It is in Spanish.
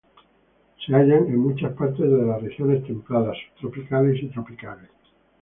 Se hallan en muchas partes de regiones templadas, subtropicales y tropicales.